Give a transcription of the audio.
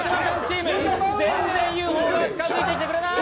全然、ＵＦＯが近づいてくれない。